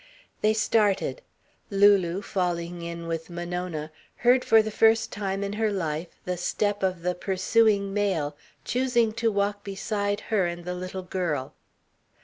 They started. Lulu, falling in with Monona, heard for the first time in her life, the step of the pursuing male, choosing to walk beside her and the little girl.